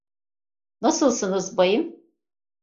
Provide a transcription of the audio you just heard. Nasılsınız bayım?